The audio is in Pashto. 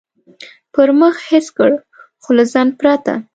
پر مخ حس کړ، خو له ځنډه پرته.